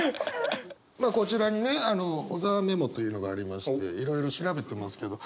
こちらにね小沢メモというのがありましていろいろ調べてますけど。